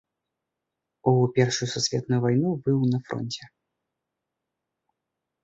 У першую сусветную вайну быў на фронце.